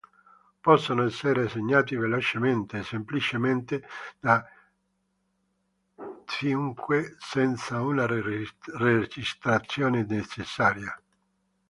Possono essere segnati velocemente e semplicemente da chiunque, senza una registrazione necessaria.